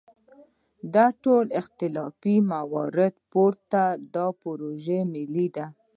له ټولو اختلافي مواردو پورته دا پروژه ملي ده.